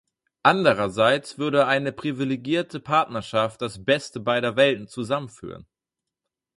Andererseits würde eine privilegierte Partnerschaft das Beste beider Welten zusammenführen.